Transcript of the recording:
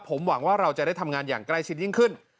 ผมหวังว่าเราจะได้ทำงานอย่างใกล้ชิดยิ่งขึ้น